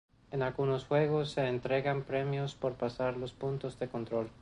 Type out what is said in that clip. En algunos juegos, se entregan premios por pasar los puntos de control.